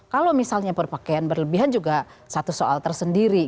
kalau misalnya berpakaian berlebihan juga satu soal tersendiri